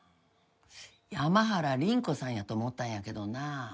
山原倫子さんやと思ったんやけどな。